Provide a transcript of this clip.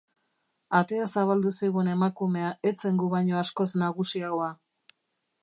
Atea zabaldu zigun emakumea ez zen gu baino askoz nagusiagoa.